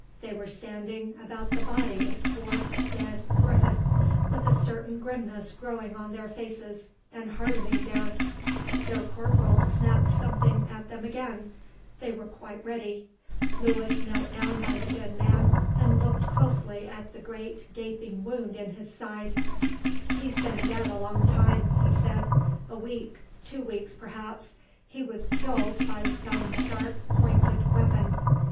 They were standing about the body of poor, dead Griffith, with a certain grimness growing on their faces and hardening there. Their corporal snapped something at them again; they were quite ready. Lewis knelt down by the dead man and looked closely at the great gaping wound in his side. "He's been dead a long time," he said. "A week, two weeks, perhaps. He was killed by some sharp pointed weapon.